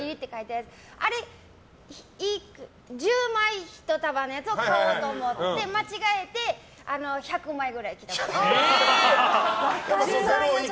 あれ、１０枚１束のやつを買おうと思って間違えて１００枚ぐらい来たことある。